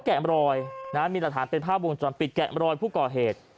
แกะมรอยมีหลักฐานเป็นภาพวงจรปิดแกะมรอยผู้ก่อเหตุ